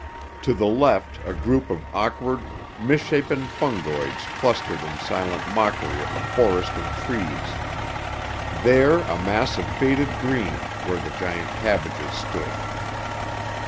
To the left a group of awkward, misshapen fungoids clustered in silent mockery of a forest of trees. There a mass of faded green, where the giant cabbages stood.